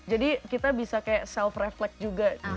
jadi kita bisa kayak self reflect juga